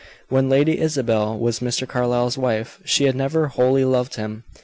When Lady Isabel was Mr. Carlyle's wife, she had never wholly loved him.